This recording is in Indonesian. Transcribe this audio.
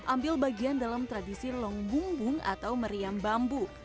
ambil bagian dalam tradisi longbung atau meriam bambu